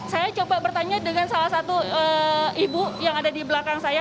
saya coba bertanya dengan salah satu ibu yang ada di belakang saya